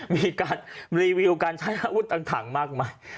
มีการรีวิวการใช้อาวุธต่างมากมาย